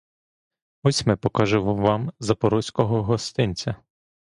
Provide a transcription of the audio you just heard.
Ось ми покажемо вам запорозького гостинця!